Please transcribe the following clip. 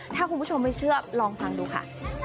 ถ้าคุณผู้ชมไม่เชื่อลองฟังดูค่ะ